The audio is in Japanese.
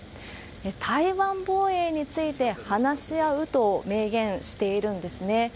台湾防衛について話し合うという明言しているんですね。